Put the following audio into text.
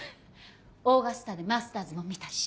オーガスタでマスターズも見たし。